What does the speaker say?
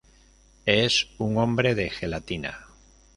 Es un hombre de gelatina.